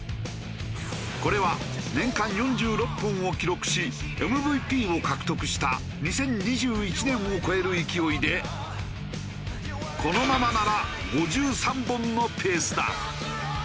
これは年間４６本を記録しＭＶＰを獲得した２０２１年を超える勢いでこのままなら５３本のペースだ。